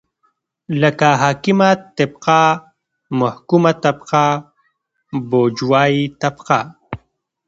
لکه حاکمه طبقه ،محکومه طبقه بوژوايي طبقه